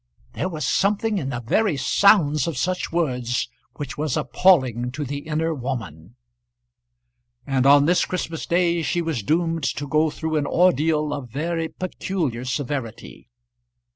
There was something in the very sounds of such words which was appalling to the inner woman. And on this Christmas day she was doomed to go through an ordeal of very peculiar severity.